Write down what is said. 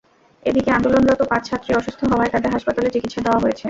এদিকে আন্দোলনরত পাঁচ ছাত্রী অসুস্থ হওয়ায় তাঁদের হাসপাতালে চিকিৎসা দেওয়া হয়েছে।